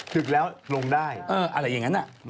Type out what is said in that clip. ถึงแล้วลงได้อะไรอย่างนั้น